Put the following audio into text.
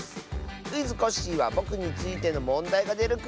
「クイズ！コッシー」はぼくについてのもんだいがでるクイズだよ。